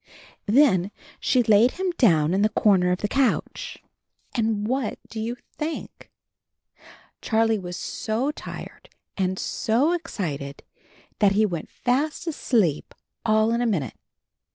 Then she laid him down in the corner of ANB HIS KITTEN TOPSY 9 the couch. And what do you think? Char lie was so tired and so excited that he went fast asleep all in a minute.